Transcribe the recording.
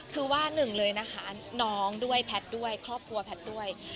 คือว่าหนึ่งเลยนะคะน้องด้วยแพทย์ด้วยครอบครัวแพทย์ด้วย